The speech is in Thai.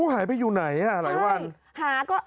หายไปอยู่ไหนหลายวัน